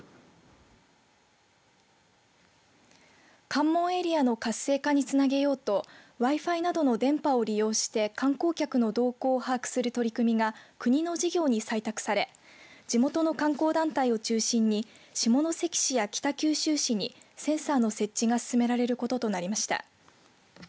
関門エリアの活性化につなげようとＷｉ‐Ｆｉなどの電波を利用して観光客の動向を把握する取り組みが国の事業に採択され地元の観光団体を中心に下関市や北九州市にセンサーの設置が進められることとなりました。